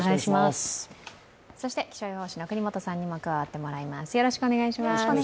そして気象予報士の國本さんにも加わっていただきます。